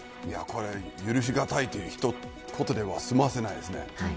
許しがたいという一言では済まされないです。